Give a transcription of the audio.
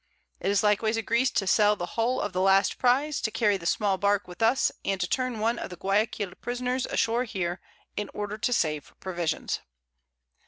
It is likewise agreed to sell the Hull of the last Prize, to carry the small Bark with us, and to turn one of the_ Guiaquil _Prisoners ashore here, in order to save Provisions.